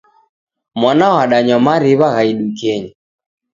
Mwana wadanywa mariw'a gha idukenyi.